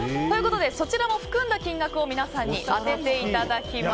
そちらも含んだ金額を皆さんに当てていただきます。